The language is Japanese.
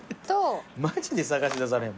マジで探し出されへん。